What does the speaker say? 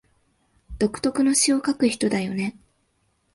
独特の詩を書く人だよね